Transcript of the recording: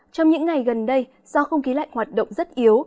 trong những ngày gần đây do không khí lạnh hoạt động rất yếu